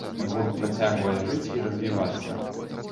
Гурт працягвае жыць і развівацца.